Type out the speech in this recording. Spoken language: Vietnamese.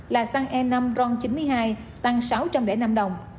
là xăng e năm ron chín mươi hai tăng sáu trăm linh năm đồng